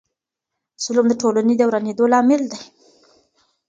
ظلم د ټولني د ورانیدو لامل دی.